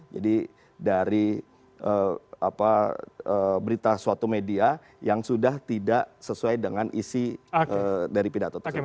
jadi dari berita suatu media yang sudah tidak sesuai dengan isi dari pidato tersebut